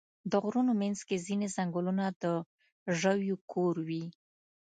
د غرونو منځ کې ځینې ځنګلونه د ژویو کور وي.